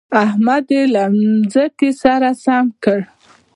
احمد يې له ځمکې سره سم کړ.